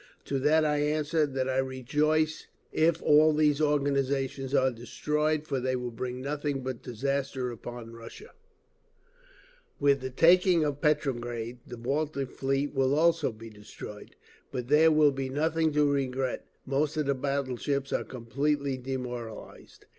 To that I answer that I rejoice if all these organisations are destroyed; for they will bring nothing but disaster upon Russia…. With the taking of Petrograd the Baltic Fleet will also be destroyed…. But there will be nothing to regret; most of the battleships are completely demoralised….